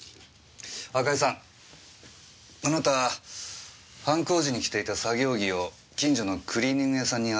赤井さんあなた犯行時に着ていた作業着を近所のクリーニング屋さんに預けてますね。